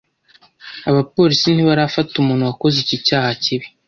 Abapolisi ntibarafata umuntu wakoze iki cyaha kibi.